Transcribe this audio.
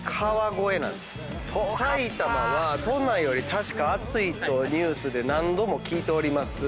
埼玉は都内より確か暑いとニュースで何度も聞いております。